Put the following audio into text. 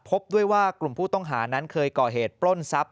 พบด้วยว่ากลุ่มผู้ต้องหานั้นเคยก่อเหตุปล้นทรัพย